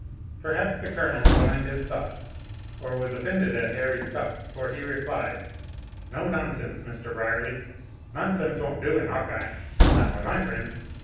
Perhaps the Colonel divined his thoughts, or was offended at Harry's talk, for he replied, "No nonsense, Mr. Brierly. Nonsense won't do in Hawkeye, not with my friends.